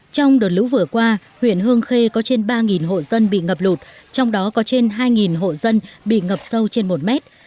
trong đợt lũ vừa qua huyện hương khê có trên ba hộ dân bị ngập lụt trong đó có trên hai hộ dân bị ngập sâu trên một mét